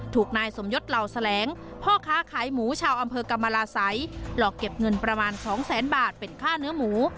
ถูกนายสมยศเหล่าแสลงพ่อค้าขายหมูชาวอำเภอกรรมราศัยหลอกเก็บเงินประมาณสองแสนบาทเป็นค่าเนื้อหมู